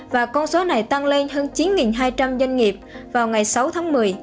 và con số này tăng lên hơn chín hai trăm linh doanh nghiệp vào ngày sáu tháng một mươi